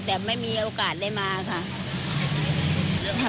แต่ไม่มีโอกาสได้มาค่ะ